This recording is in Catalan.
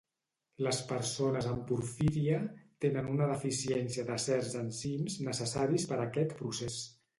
Les persones amb porfíria tenen una deficiència de certs enzims necessaris per aquest procés